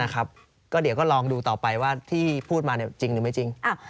ก็ลองดูต่อไปว่าที่พูดมาจริงหรือไม่จริง